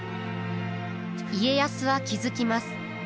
家康は気付きます。